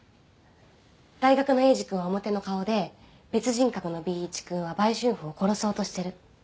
大学のエイジ君は表の顔で別人格のＢ一君は売春婦を殺そうとしてる。